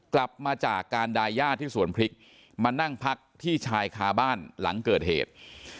กลับมาจากการดายาทที่สวนพริกมานั่งพักที่ชายคาบ้านหลังเกิดเหตุ